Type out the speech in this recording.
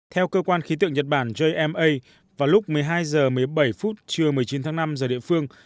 theo cơ quan khí tượng nhật bản jma vào lúc một mươi hai h một mươi bảy phút trưa một mươi chín tháng năm giờ địa phương